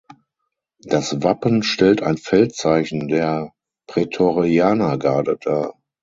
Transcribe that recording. Das Wappen stellt ein Feldzeichen der Prätorianergarde dar.